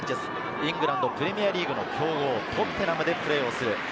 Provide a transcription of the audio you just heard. イングランド・プレミアリーグの強豪トッテナムでプレーをする